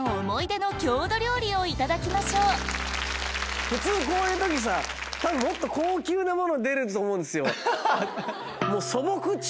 思い出の郷土料理をいただきましょう普通こういう時さたぶんもっと高級なもの出ると思うんですよ。